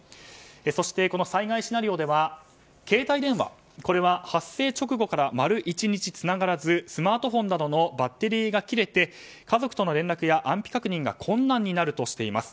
そして、災害シナリオでは携帯電話これは発生直後から丸１日つながらずスマートフォンなどのバッテリーが切れて家族との連絡や安否確認が困難になるとしています。